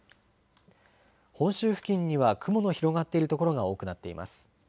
本州付近には雲の広がっている所が多くなっています。